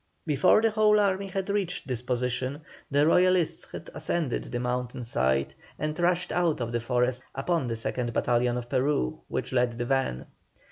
Before the whole army had reached this position the Royalists had ascended the mountain side, and rushed out of the forest upon the 2nd battalion of Peru, which led the van.